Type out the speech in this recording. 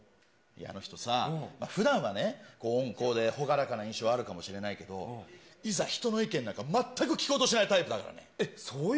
あの人さ、ふだんはね、こう温厚で朗らかな印象あるかもしれないけど、いざ人の意見なんか全く聞こうとしないタイプだからね。